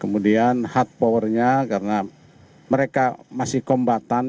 kemudian hard powernya karena mereka masih kombatan